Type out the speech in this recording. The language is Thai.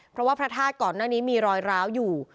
เพราะว่าพระธาตุก่อนหน้านี้มีรอยร้าวอยู่